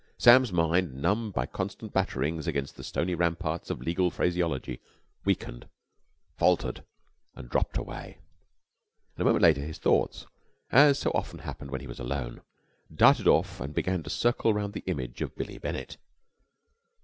Sam's mind, numbed by constant batterings against the stony ramparts of legal phraseology, weakened, faltered, and dropped away; and a moment later his thoughts, as so often happened when he was alone, darted off and began to circle round the image of Billie Bennett.